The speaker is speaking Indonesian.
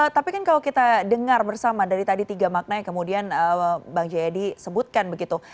tapi kan kalau kita dengar bersama dari tadi tiga makna yang kemudian bang jayadi sebutkan begitu